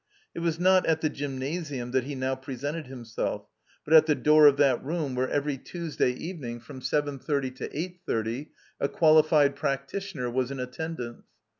It was not at the Gymnasitun that he now presented himself, but at the door of that room where every Tuesday evening, from seven 298 THE COMBINED MAZE thirty to eight thirty, a qualified practitioner was in attendance.